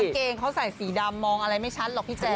เกงเขาใส่สีดำมองอะไรไม่ชัดหรอกพี่แจ